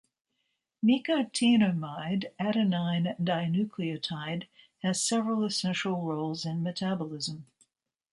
Nicotinamide adenine dinucleotide has several essential roles in metabolism.